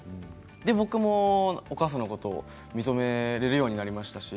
僕もお母さんのことを認められるようになりましたし